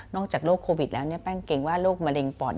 จากโรคโควิดแล้วแป้งเกรงว่าโรคมะเร็งป่อน